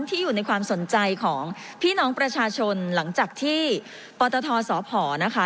ที่อยู่ในความสนใจของพี่น้องประชาชนหลังจากที่ปตทสพนะคะ